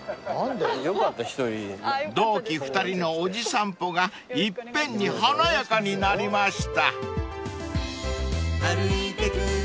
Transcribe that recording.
［同期２人のおじ散歩がいっぺんに華やかになりました］